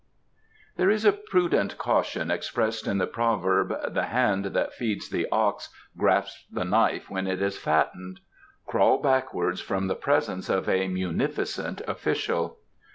There is a prudent caution expressed in the proverb, "The hand that feeds the ox grasps the knife when it is fattened: crawl backwards from the presence of a munificent official."